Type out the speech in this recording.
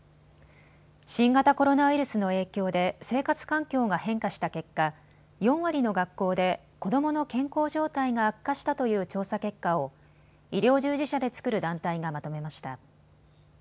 新型コロナウイルスの影響で生活環境が変化した結果、４割の学校で子どもの健康状態が悪化したという調査結果を医療従事者で作る団体がまとめました。